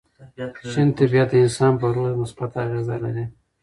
شین طبیعت د انسان پر روح مثبت اغېزه لري.